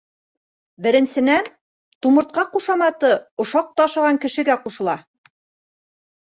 Беренсенән, тумыртҡа ҡушаматы ошаҡ ташыған кешегә ҡушыла.